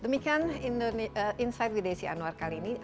demikian insight with desi anwar kali ini